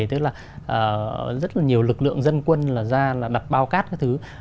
tức là rất là nhiều lực lượng dân quân là ra là đặt bao cát các thứ